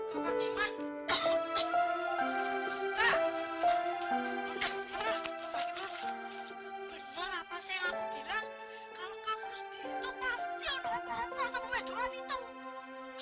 kalau kamu harus dihukum pasti ada yang akan berhentikan kamu sama wd itu